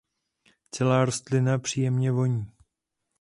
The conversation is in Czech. Celá rostlina příjemně voní.